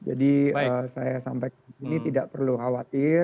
jadi saya sampai disini tidak perlu khawatir